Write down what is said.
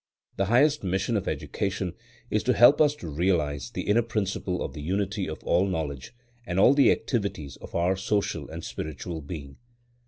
The highest mission of education is to help us to realise the inner principle of the unity of all knowledge and all the activities of our social and spiritual being.